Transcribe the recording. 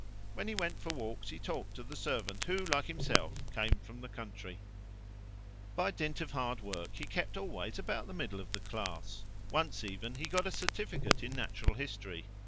When he went for walks he talked to the servant, who, like himself, came from the country. In place of a parent. By dint of hard work he kept always about the middle of the class; once even he got a certificate in natural history.